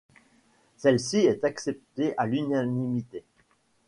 Celle-ci est acceptée à l'unanimité.